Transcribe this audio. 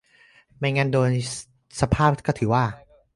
ไม่งั้นโดยสภาพก็ถือว่า